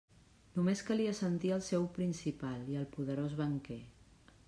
Només calia sentir el seu principal i el poderós banquer.